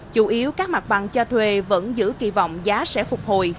chủ yếu các mặt bằng cho thuê vẫn giữ kỳ vọng giá sẽ phục hồi